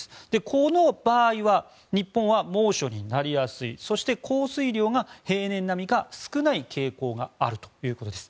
この場合は日本は猛暑になりやすいそして、降水量が平年並みか少ない傾向があるということです。